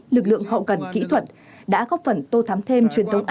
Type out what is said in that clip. lực lượng hậu cần kỹ thuật đã góp phần tô thám thêm